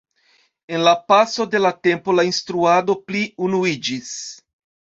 En la paso de la tempo la instruado pli unuiĝis.